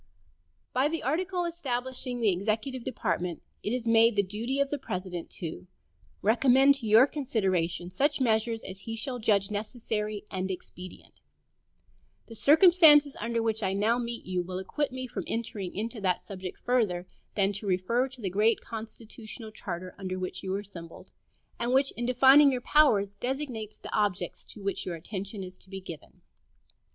By the article establishing the executive department it is made the duty of the President "to recommend to your consideration such measures as he shall judge necessary and expedient." The circumstances under which I now meet you will acquit me from entering into that subject further than to refer to the great constitutional charter under which you are assembled, and which, in defining your powers, designates the objects to which your attention is to be given.